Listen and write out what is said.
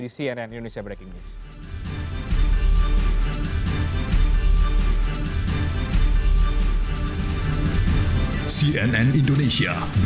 di cnn indonesia breaking news